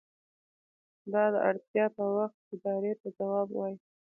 دا د اړتیا په وخت ادارې ته ځواب وايي.